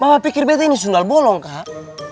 mama pikir beta ini sundal bolong kak